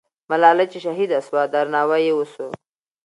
ملالۍ چې شهیده سوه، درناوی یې وسو.